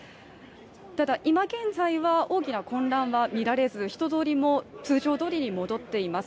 今現在は大きな混乱は見られず人通りも通常どおりに戻っています。